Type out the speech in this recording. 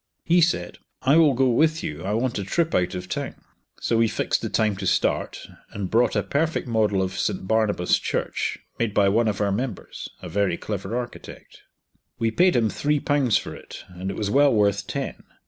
He said "I will go with you, I want a trip out of town," so we fixed the time to start, and brought a perfect model of St Barnabas Church, made by one of our members (a very clever architect). We paid him three pounds for it, and it was well worth ten.